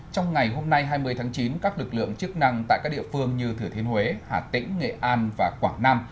trong ngày hôm nay hai mươi tháng chín các lực lượng chức năng tại các địa phương như thừa thiên huế hà tĩnh nghệ an và quảng nam